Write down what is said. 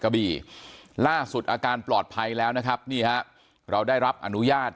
กะบี่ล่าสุดอาการปลอดภัยแล้วนะครับนี่ฮะเราได้รับอนุญาต